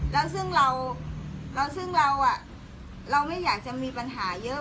แล้วซึ่งเราซึ่งเราไม่อยากจะมีปัญหาเยอะ